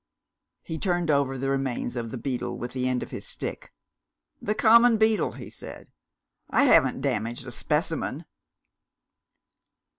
He turned over the remains of the beetle with the end of his stick. "The common beetle," he said; "I haven't damaged a Specimen."